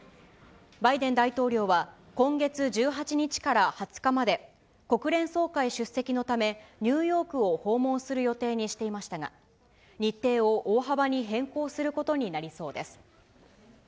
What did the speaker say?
バイデン大統領は今月１８日から２０日まで、国連総会出席のため、ニューヨークを訪問する予定にしていましたが、日程を大幅に変更することになりそうです。